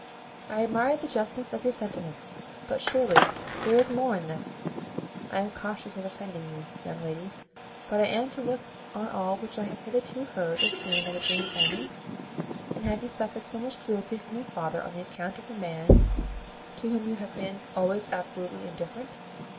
I admire the justness of your sentiments; but surely there is more in this. I am cautious of offending you, young lady; but am I to look on all which I have hitherto heard or seen as a dream only? And have you suffered so much cruelty from your father on the account of a man to whom you have been always absolutely indifferent?"